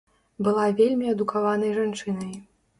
Была вельмі адукаванай жанчынай.